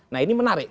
nah ini menarik